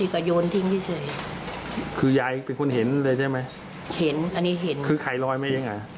คือใครลอยมาเองอ่ะ